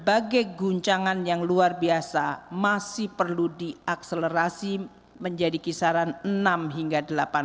sebagai guncangan yang luar biasa masih perlu diakselerasi menjadi kisaran enam hingga delapan